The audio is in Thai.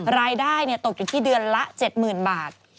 รายได้ตกอยู่ที่เดือนละ๗๐๐๐บาท